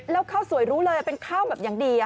แล้วข้าวสวยรู้เลยเป็นข้าวแบบอย่างดี